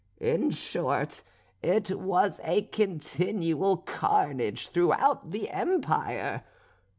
In short it was a continual carnage throughout the empire.